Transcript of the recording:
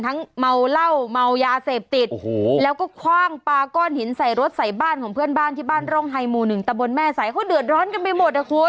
เมาเหล้าเมายาเสพติดโอ้โหแล้วก็คว่างปลาก้อนหินใส่รถใส่บ้านของเพื่อนบ้านที่บ้านร่องไฮหมู่หนึ่งตะบนแม่สายเขาเดือดร้อนกันไปหมดนะคุณ